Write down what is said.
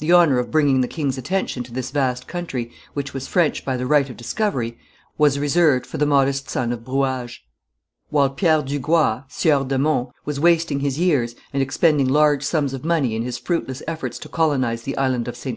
The honour of bringing the king's attention to this vast country, which was French by the right of discovery, was reserved for the modest son of Brouage. While Pierre du Gua, Sieur de Monts, was wasting his years and expending large sums of money in his fruitless efforts to colonize the island of Ste.